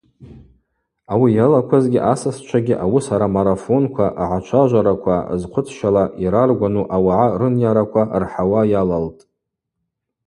Ауи йалаквазгьи асасчвагьи ауысара марафонква, агӏачважвараква, зхъвыцщала йраргвану ауагӏа рынйараква рхӏауа йалалтӏ.